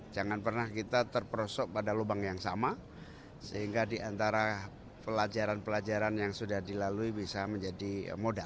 jangan pernah kita terperosok pada lubang yang sama sehingga diantara pelajaran pelajaran yang sudah dilalui bisa menjadi modal